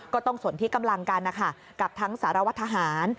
สนที่กำลังกันนะคะกับทั้งสารวัตรทหาร